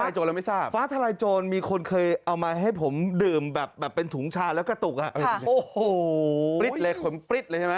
โอ้โฮผลิตเลยขมผลิตเลยใช่ไหม